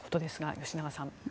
吉永さん。